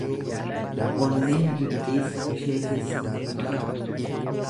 Onneen Gibxiis ishee keessatti ni baqa.